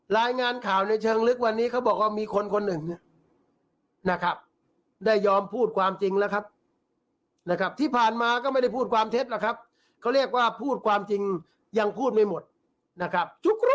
รายงานข่าวในเชิงลึกวันนี้เขาบอกว่ามีคนคนหนึ่งนะครับได้ยอมพูดความจริงแล้วครับนะครับที่ผ่านมาก็ไม่ได้พูดความเท็จหรอกครับเขาเรียกว่าพูดความจริงยังพูดไม่หมดนะครับ